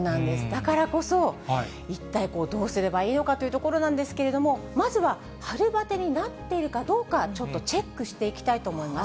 だからこそ、一体どうすればいいのかというところなんですけれども、まずは春バテになっているかどうか、ちょっとチェックしていきたいと思います。